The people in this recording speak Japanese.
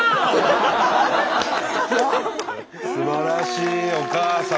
すばらしいお母様。